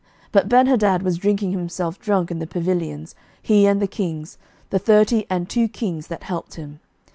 But Benhadad was drinking himself drunk in the pavilions, he and the kings, the thirty and two kings that helped him.